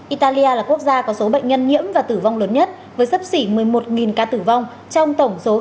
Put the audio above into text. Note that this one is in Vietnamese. italia là quốc gia có số bệnh nhân nhiễm và tử vong lớn nhất với sắp xỉ một mươi một ca tử vong trong tổng dịch